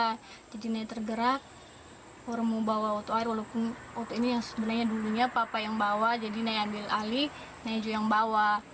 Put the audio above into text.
kita jadi nai tergerak orang mau bawa otot air walaupun otot ini yang sebenarnya dulunya papa yang bawa jadi nai ambil alih nai juga yang bawa